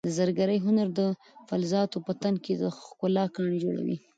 د زرګرۍ هنر د فلزاتو په تن کې د ښکلا ګاڼې جوړوي.